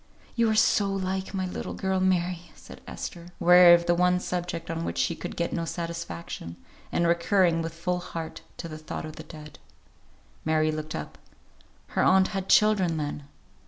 "You are so like my little girl, Mary!" said Esther, weary of the one subject on which she could get no satisfaction, and recurring, with full heart, to the thought of the dead. Mary looked up. Her aunt had children, then.